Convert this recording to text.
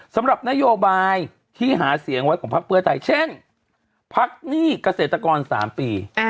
สำหรับนโยบายที่หาเสียงไว้ของพักเพื่อไทยเช่นพักหนี้เกษตรกร๓ปี